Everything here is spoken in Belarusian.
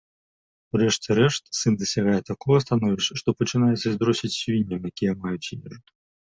У рэшце рэшт, сын дасягае такога становішча, што пачынае зайздросціць свінням, якія маюць ежу.